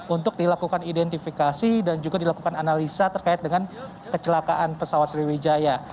untuk dilakukan identifikasi dan juga dilakukan analisa terkait dengan kecelakaan pesawat sriwijaya